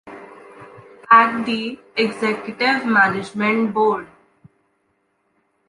At the Executive Management Board.